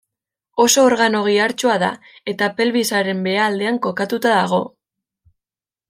Oso organo gihartsua da, eta pelbisaren behealdean kokatuta dago.